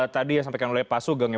tadi yang disampaikan oleh pak sugeng ya